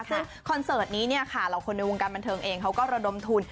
ซึ่งคอนเสิร์ตนี้เนี่ยค่ะเหล่าคนในวงการบันเทิงเองเขาก็ระดมทุน